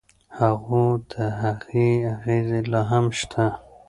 خو د هغې اغیزې لا هم شته.